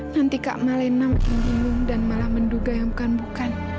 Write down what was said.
nanti kak malena makin bingung dan malah menduga yang bukan bukan